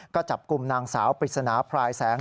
ก็จับกลุ่มนางสาวปริศนาพรายแสง